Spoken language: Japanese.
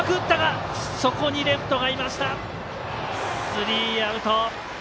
スリーアウト！